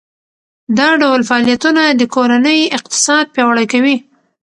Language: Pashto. دا ډول فعالیتونه د کورنۍ اقتصاد پیاوړی کوي.